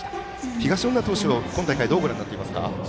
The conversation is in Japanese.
東恩納投手、今大会どうご覧になっていますか？